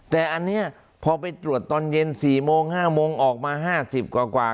แต่อันนี้พอไปตรวจตอนเย็น๔โมง๕โมงออกมา๕๐กว่า